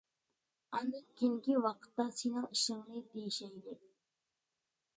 ئاندىن كېيىنكى ۋاقىتتا سېنىڭ ئىشىڭنى دېيىشەيلى.